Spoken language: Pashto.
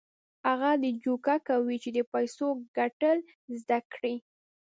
هغه د دې جوګه کوي چې د پيسو ګټل زده کړي.